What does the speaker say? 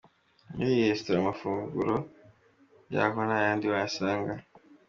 Muri iyi restora amafunguro yaho ntahandi wayasanga.